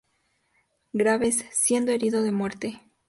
Graves, siendo herido de muerte.